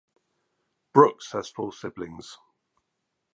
Brooks has four siblings.